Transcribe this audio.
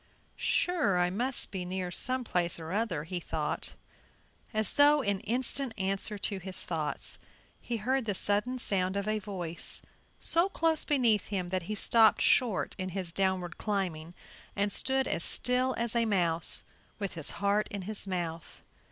"Sure, I must be near some place or other," he thought. As though in instant answer to his thoughts, he heard the sudden sound of a voice so close beneath him that he stopped short in his downward climbing and stood as still as a mouse, with his heart in his mouth.